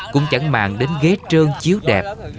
cũng chẳng mạng đến ghế trơn chiếu đẹp